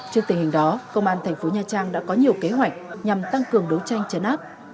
trước tình hình đó công an thành phố nha trang đã có nhiều kế hoạch nhằm tăng cường đấu tranh chấn áp